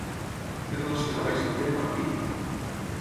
Què relacionava Egipte amb Hapi?